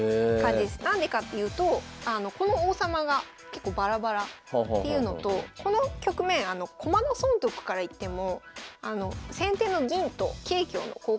何でかっていうとこの王様が結構バラバラっていうのとこの局面駒の損得からいっても先手の銀と桂香の交換になってるんですよ。